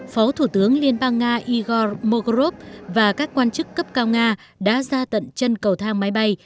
phó thủ tướng liên bang nga igor mogorv và các quan chức cấp cao nga đã ra tận chân cầu thang máy bay